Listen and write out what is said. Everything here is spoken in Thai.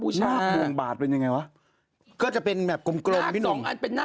บุช้าทำบาทเป็นยังไงเขาจะเป็นแบบกลมกลมพี่หนุ่มทางสองอันเป็น